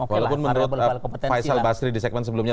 walaupun menurut faisal basri di segmen sebelumnya